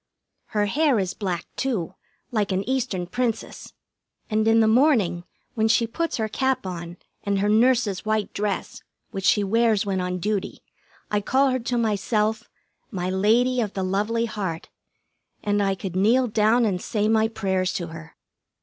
Her hair is black, too, like an Eastern Princess and in the morning when she puts her cap on and her nurse's white dress, which she wears when on duty, I call her to myself, "My Lady of the Lovely Heart," and I could kneel down and say my prayers to her.